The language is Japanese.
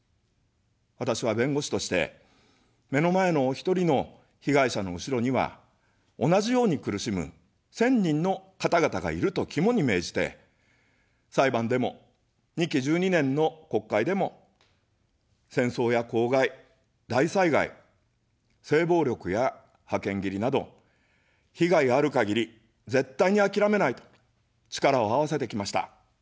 私は弁護士として、目の前のお一人の被害者の後ろには、同じように苦しむ１０００人の方々がいると肝に銘じて、裁判でも、２期１２年の国会でも、戦争や公害、大災害、性暴力や派遣切りなど、被害がある限り、絶対にあきらめないと、力をあわせてきました。